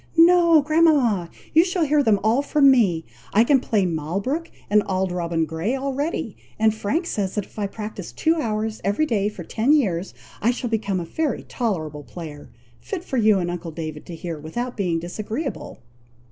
"No, grandmama! you shall hear them all from me. I can play Malbrook, and Auld Robin Grey, already; and Frank says if I practise two hours every day for ten years, I shall become a very tolerable player, fit for you and uncle David to hear, without being disagreeable."